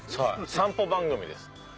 はい散歩番組です。